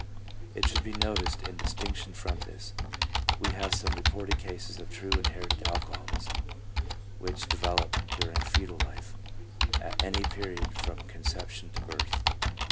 It should be noticed, in distinction from this, we have some reported cases of true inherited alcoholism which develop during fcetal life, at any period from con ception to birth.